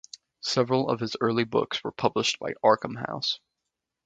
Several of his early books were published by Arkham House.